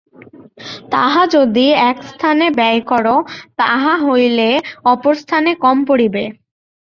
তাহা যদি এক স্থানে ব্যয় কর, তাহা হইলে অপর স্থানে কম পড়িবে।